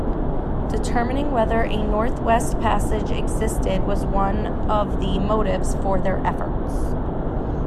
Determining whether a Northwest Passage existed was one of the motives for their efforts.